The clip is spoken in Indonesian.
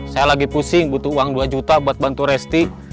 saya lagi pusing butuh uang dua juta buat bantu resti